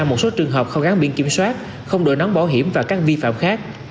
một số trường hợp không gắn biển kiểm soát không đổi nón bảo hiểm và các vi phạm khác